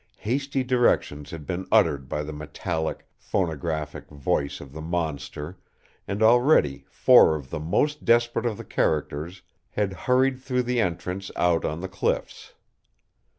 Hasty directions had been uttered by the metallic, phonograph voice of the monster, and already four of the most desperate of the characters had hurried through the entrance out on the cliffs.